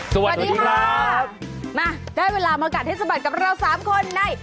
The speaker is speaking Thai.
สวัสดีครับสวัสดีครับมาได้เวลาเมื่อการเทศบัตรกับเราสามคนใน